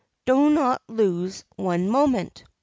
' Do not lose one moment.'